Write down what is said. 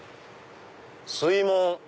水門。